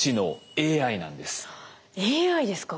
ＡＩですか。